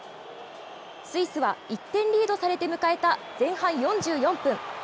スイスは、１点リードされて迎えた前半４４分。